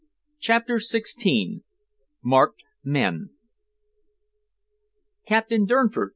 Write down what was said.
CHAPTER XVI MARKED MEN "Captain Durnford?"